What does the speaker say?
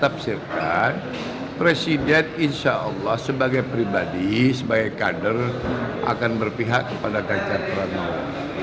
tafsirkan presiden insyaallah sebagai pribadi sebagai kader akan berpihak kepada ganjar pranowo